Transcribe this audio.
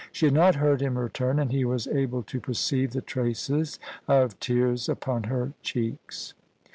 She had not heard him return, and he was able to perceive the traces of tears upon her cheeks.